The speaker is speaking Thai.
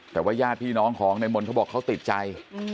แต่ว่าญาติพี่น้องของในมนต์เขาบอกเขาติดใจ